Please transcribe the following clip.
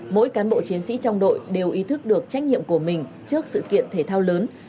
mỗi cán bộ chiến sĩ trong đội đều ý thức được trách nhiệm của mình trước sự kiện thể thao lớn